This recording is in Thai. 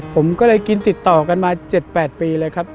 ผมก็เลยกินติดต่อกันมา๗๘ปีเลยครับ